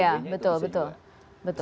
ya betul betul